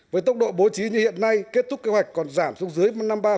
với tốc độ bố trí như hiện nay kết thúc kế hoạch còn giảm xuống dưới năm mươi ba